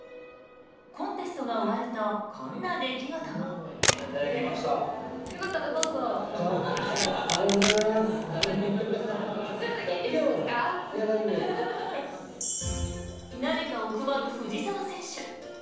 コンテストが終わるとこんな出来事も。何かを配る藤澤選手。